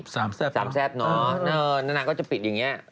สามแซ่บเหรอสามแซ่บเนอะน้านางก็จะปิดอย่างนี้